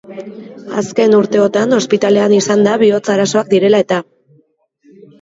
Azken urteotan ospitalean izan da bihotz-arazoak direla eta.